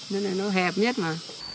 nên là nó hẹp nhất mà